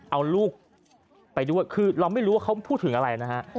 เอาลูกไปด้วยคือเราไม่รู้ว่าเขาพูดถึงอะไรนะฮะ